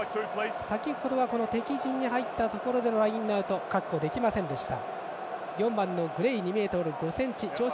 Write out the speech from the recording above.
先程は敵陣に入ったところでのラインアウト確保できませんでした。